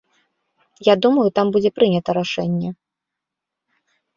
Я думаю, там будзе прынята рашэнне.